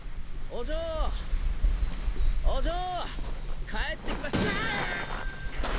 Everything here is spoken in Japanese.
お嬢帰ってきましたあっ！